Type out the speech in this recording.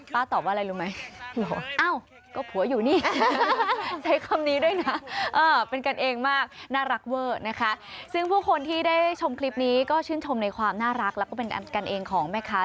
ป๊าตอบอะไรรู้ไหมโหโอ้